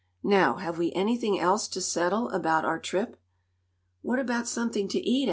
Now have we anything else to settle about our trip?" "What about something to eat?"